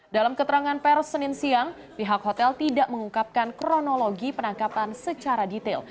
dalam keterangan pers senin siang pihak hotel tidak mengungkapkan kronologi penangkapan secara detail